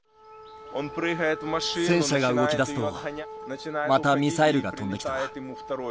戦車が動きだすと、またミサイルが飛んできた。